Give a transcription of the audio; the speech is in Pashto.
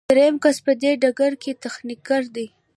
دریم کس په دې ډله کې تخنیکګر دی.